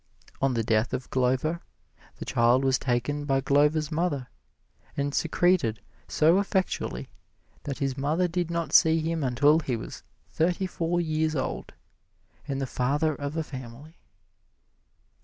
On the death of Glover, the child was taken by Glover's mother and secreted so effectually that his mother did not see him until he was thirty four years old, and the father of a family.